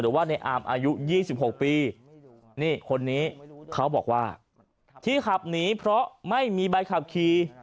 หรือว่าในอามอายุยี่สิบหกปีนี่คนนี้เขาบอกว่าที่ขับหนีเพราะไม่มีใบขับคีย์